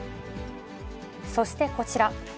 そしてこちら。